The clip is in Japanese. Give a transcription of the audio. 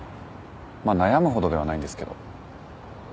まあ悩むほどではないんですけど。